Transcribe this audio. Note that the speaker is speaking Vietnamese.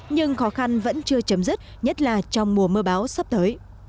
nhưng khó khăn vẫn chưa chấm dứt nhất là trong mùa mưa bão sắp tới